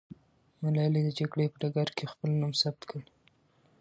ملالۍ د جګړې په ډګر کې خپل نوم ثبت کړ.